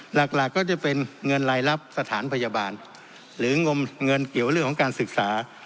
หลักก็จะเป็นเงินรายรับสถานพยาบาลหรืองมเงินเกี่ยวเรื่องของการศึกษา